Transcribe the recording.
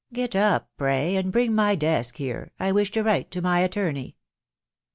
.•• Get up, pray, and bring my desk here •••• I wish to write to my attorney.'